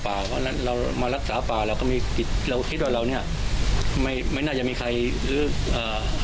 เพราะฉะนั้นเรามารักษาป่าเราก็มีจิตเราคิดว่าเราเนี้ยไม่ไม่น่าจะมีใครหรืออ่า